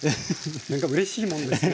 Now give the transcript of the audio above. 何かうれしいものですね。